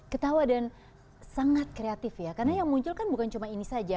ketawa dan sangat kreatif ya karena yang muncul kan bukan cuma ini saja